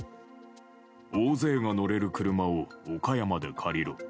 大勢が乗れる車を岡山で借りろ。